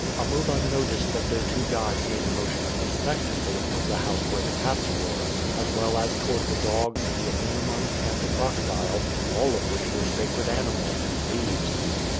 Amuba noticed that their two guides made a motion of respect as they entered the house where the cats were, as well as toward the dogs, the ichneumon, and the crocodile, all of which were sacred animals in Thebes.